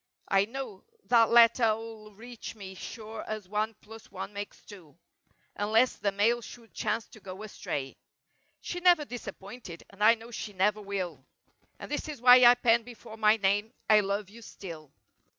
I know that letter 'll reach me sure as one plus one makes two. Unless the mail should chance to go astray. She never disappointed and I know she never will And this is why I pen before my name— "I love you still!"